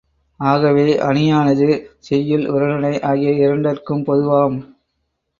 ஆகவே, அணியானது செய்யுள், உரைநடை ஆகிய இரண்டற்கும் பொதுவாம்.